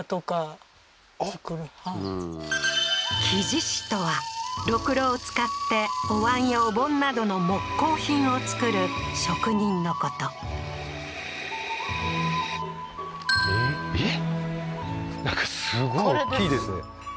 木地師とは轆轤を使ってお椀やお盆などの木工品を作る職人のことええーえっ？